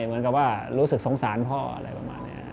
เหมือนกับว่ารู้สึกสงสารพ่ออะไรประมาณนี้